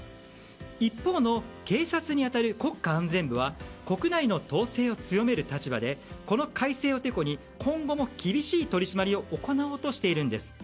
一方の警察に当たる国家安全部は国内の統制を強める立場でこの改正をてこに今後も厳しい取り締まりを行おうとしているんです。